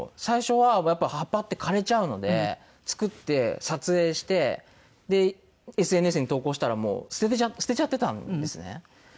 最初はやっぱ葉っぱって枯れちゃうので作って撮影してＳＮＳに投稿したらもう捨てちゃってたんですね。